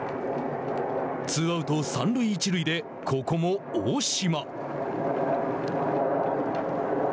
ツーアウト、三塁一塁でここも大島。